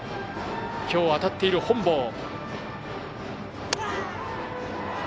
きょう当たっている本坊。